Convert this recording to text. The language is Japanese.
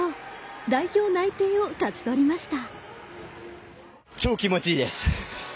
代表内定を勝ち取りました。